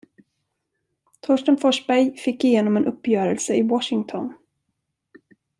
Torsten Forsberg fick igenom en uppgörelse i Washington.